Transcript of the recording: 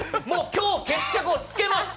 今日、決着をつけます！